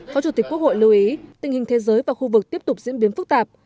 phó chủ tịch quốc hội lưu ý tình hình thế giới và khu vực tiếp tục diễn biến phức tạp